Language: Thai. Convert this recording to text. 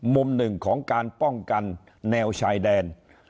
มุมหนึ่งของการป้องกันแนวชายแดน